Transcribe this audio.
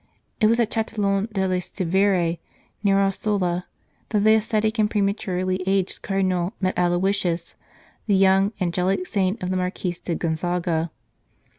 It was at Chatillon delle Stiviere, near Asola, that the ascetic and prematurely aged Cardinal met Aloysius, the young angelic son of the Marquis di Gonzaga.